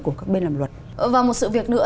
của các bên làm luật và một sự việc nữa